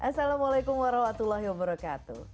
assalamualaikum warahmatullahi wabarakatuh